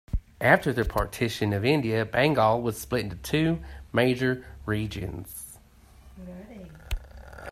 After the partition of India, Bengal was split into two major regions.